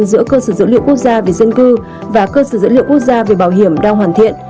giữa cơ sở dữ liệu quốc gia về dân cư và cơ sở dữ liệu quốc gia về bảo hiểm đang hoàn thiện